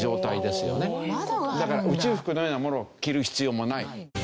だから宇宙服のようなものを着る必要もない。